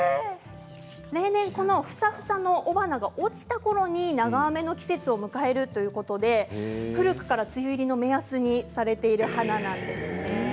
例年このふさふさの雄花が落ちたころに長雨の季節を迎えるということで古くから梅雨入りの目安にされている花なんです。